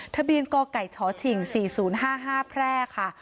ทะเบียนก่อไก่เฉาะฉิ่ง๔๐๕๕แพร่ค่ะ